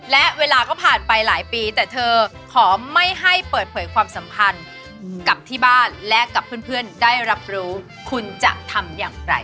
และเวลาก็ผ่านไปหลายปีแต่เธอขอไม่ให้เปิดเผยความสัมพันธ์กับที่บ้านและกับเพื่อนได้รับรู้คุณจะทำอย่างไร